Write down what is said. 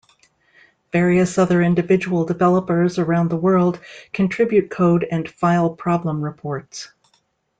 Various other individual developers around the world contribute code and file problem-reports.